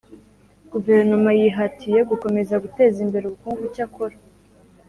Guverinoma yihatiye gukomeza guteza imbere ubukungu Icyakora